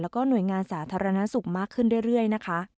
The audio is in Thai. แล้วก็หน่วยงานสาธารณสุขมากขึ้นเรื่อยนะคะ